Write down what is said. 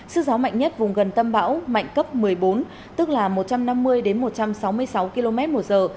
sức gió mạnh nhất vùng gần tâm bão mạnh cấp một mươi bốn tức là một trăm năm mươi một trăm sáu mươi sáu km một giờ